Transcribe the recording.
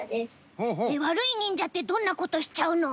わるいにんじゃってどんなことしちゃうの？